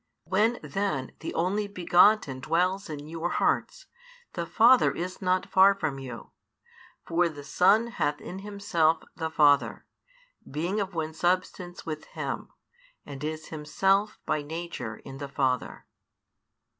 When then the Only begotten dwells in your hearts, the Father is not far from you: for the Son hath in Himself the Father, being of one substance with Him, and is Himself by nature in the Father.